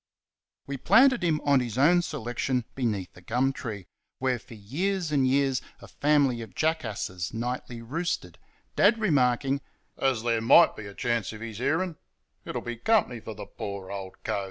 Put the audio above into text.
We planted him on his own selection beneath a gum tree, where for years and years a family of jackasses nightly roosted, Dad remarking: "As there MIGHT be a chance of his hearin', it'll be company for the poor old cove."